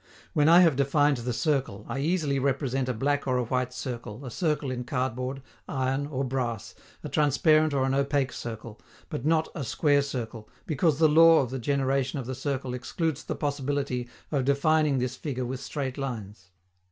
When I have defined the circle, I easily represent a black or a white circle, a circle in cardboard, iron, or brass, a transparent or an opaque circle but not a square circle, because the law of the generation of the circle excludes the possibility of defining this figure with straight lines.